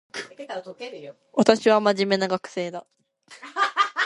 私は真面目な学生だ